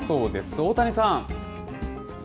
大谷さん。